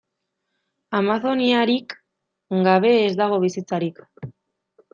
Amazoniarik gabe ez dago bizitzarik.